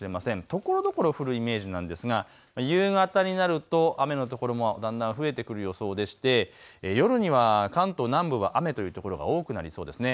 ところどころ降るイメージなんですが夕方になると雨の所もだんだん増えてくる予想でして、夜には関東南部は雨という所が多くなりそうですね。